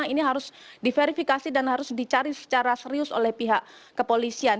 ini harus diverifikasi dan harus dicari secara serius oleh pihak kepolisian